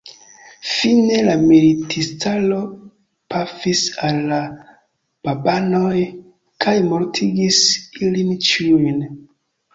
Fine la militistaro pafis al la babanoj kaj mortigis ilin ĉiujn.